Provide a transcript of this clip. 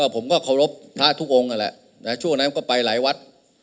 ผมก็เคารพภาทุกองค์ถูกช่วงนั้นผมไปหลายวัด